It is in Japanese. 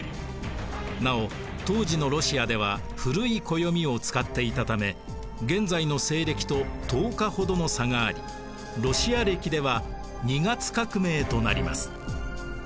なお当時のロシアでは古い暦を使っていたため現在の西暦と１０日ほどの差がありロシア暦では二月革命となります。